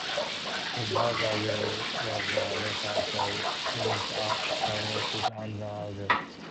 His father George Butler was a research chemist, a Communist and an atheist.